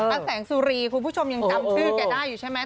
แสงสุรีคุณผู้ชมยังจำชื่อแกได้อยู่ใช่ไหม